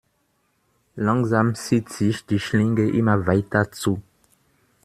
Langsam zieht sich die Schlinge immer weiter zu.